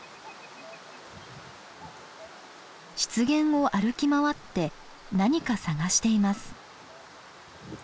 湿原を歩き回って何か探しています。